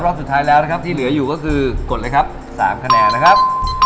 สุดท้ายแล้วนะครับที่เหลืออยู่ก็คือกดเลยครับ๓คะแนนนะครับ